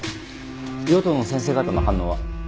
与党の先生方の反応は？